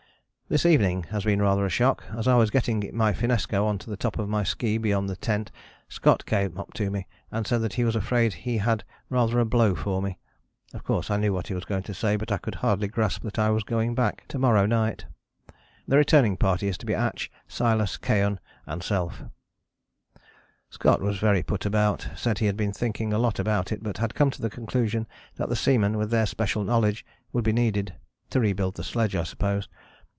"This evening has been rather a shock. As I was getting my finnesko on to the top of my ski beyond the tent Scott came up to me, and said that he was afraid he had rather a blow for me. Of course I knew what he was going to say, but could hardly grasp that I was going back to morrow night. The returning party is to be Atch, Silas, Keohane and self. [Illustration: NIGHT CAMP. BUCKLEY ISLAND December 20, 1911] "Scott was very put about, said he had been thinking a lot about it but had come to the conclusion that the seamen with their special knowledge, would be needed: to rebuild the sledge, I suppose.